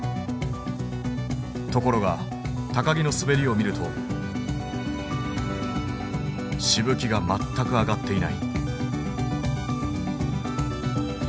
ところが木の滑りを見るとしぶきが全く上がっていない。